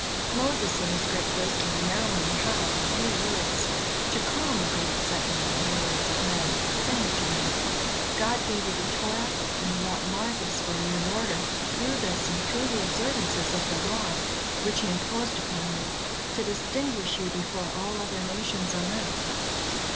Moses in his great wisdom now knew how, in a few words, to calm the great excitement of the myriads of men, saying to them: "God gave you the Torah and wrought marvels for you, in order, through this and through the observances of the laws which He imposed upon you, to distinguish you before all other nations on earth.